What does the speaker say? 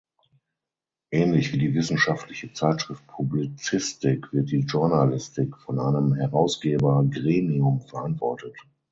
Ähnlich wie die wissenschaftliche Zeitschrift Publizistik wird die Journalistik von einem Herausgebergremium verantwortet.